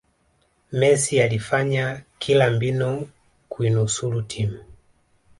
messi alifanya kila mbinu kuinusulu timu